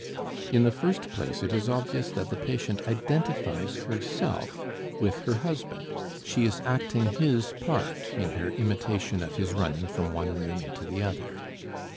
In the first place, it is obvious that the patient identifies herself with her husband, she is acting his part in her imitation of his running from one room into the other.